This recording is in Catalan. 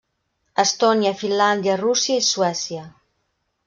Estònia, Finlàndia, Rússia i Suècia.